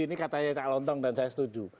ini katanya kak lontong dan saya setuju